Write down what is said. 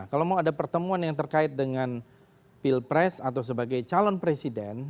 kalau mau ada pertemuan yang terkait dengan pilpres atau sebagai calon presiden